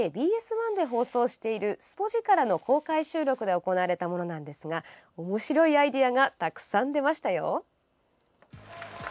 １で放送している「スポヂカラ！」の公開収録で行われたものなんですがおもしろいアイデアがたくさん出ましたよ！